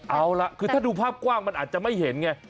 เอาล่ะคือถ้าดูภาพกว้างมันอาจจะไม่เห็นไง